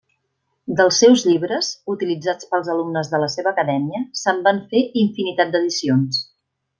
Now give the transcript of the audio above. Dels seus llibres, utilitzats pels alumnes de la seva acadèmia, se'n van fer infinitat d'edicions.